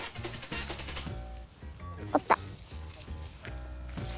あった。